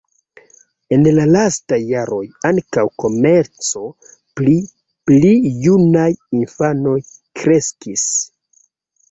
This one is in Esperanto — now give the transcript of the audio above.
En la lastaj jaroj ankaŭ komerco pri pli junaj infanoj kreskis.